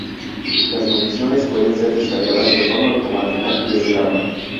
Las municiones pueden ser descargadas de forma automática desde el arma.